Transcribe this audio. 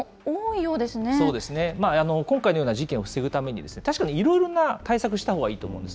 そうですね、今回のような事件を防ぐために、確かにいろいろな対策したほうがいいと思うんです。